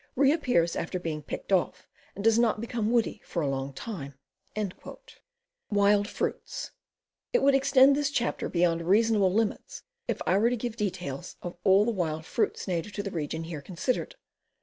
Reappears after being picked off, and does not become woody for a long time." 250 CAMPING AND WOODCRAFT WILD FRUITS It would extend this chapter beyond reasonable limits if I were to give details of all the wild fruits native to the region here considered.